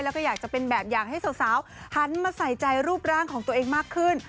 แล้วก็อยากจะเป็นแบบอย่างให้สาวหันมาใส่ใจรูปร่างของตัวเองมากขึ้น